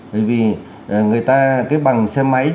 bởi vì người ta cái bằng xe máy